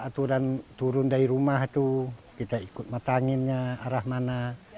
aturan turun dari rumah itu kita ikut mata anginnya arah mana